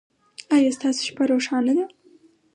ایا ستاسو شپه روښانه ده؟